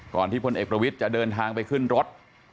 ที่พลเอกประวิทย์จะเดินทางไปขึ้นรถ